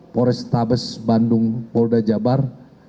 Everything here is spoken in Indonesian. polrestabes bandung polda jabar